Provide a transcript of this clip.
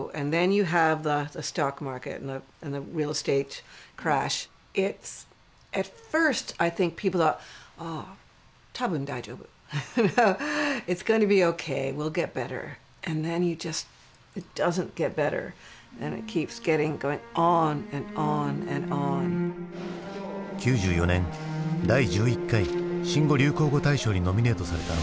９４年第１１回新語・流行語大賞にノミネートされたのは「就職氷河期」。